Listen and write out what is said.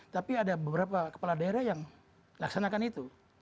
tapi ada beberapa kepala daerah yang laksanakan itu